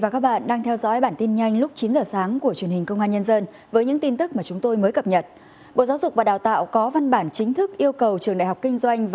cảm ơn các bạn đã theo dõi